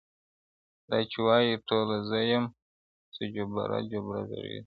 دا چي وایې ټوله زه یم څه جبره جبره ږغېږې,